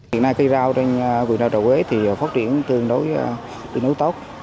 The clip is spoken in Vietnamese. hiện nay cây rau trên huyện rau trà quế thì phát triển tương đối tốt